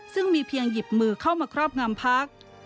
ซึ่งมีเพียงหยิบมือเข้ามาครอบงำพัก